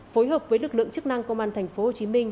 phối hợp với lực lượng chức năng công an thành phố hồ chí minh